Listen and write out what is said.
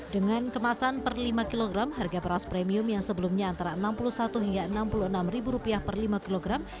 dengan kemasan per lima kg harga beras premium yang sebelumnya antara rp enam puluh satu hingga rp enam puluh enam per lima kilogram